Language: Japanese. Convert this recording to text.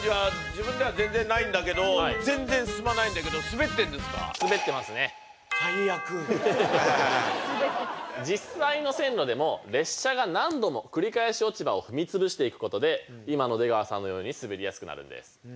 全然進まないんだけど実際の線路でも列車が何度も繰り返し落ち葉を踏み潰していくことで今の出川さんのように滑りやすくなるんです。